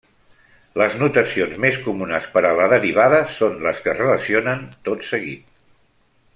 Les notacions més comunes per a la derivada són les que es relacionen tot seguit.